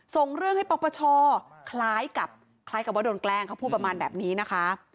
ส่งเรื่องให้ปปชคล้ายกับคล้ายกับว่าโดนแกล้งเขาพูดประมาณแบบนี้นะคะ